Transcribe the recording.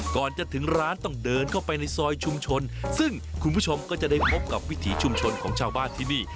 ก่อนจะถึงร้านต้องเดินเข้าไปในซอยชุมชนซึ่งคุณผู้ชมก็จะได้พบกับวิถีชุมชนของชาวบ้านที่นี่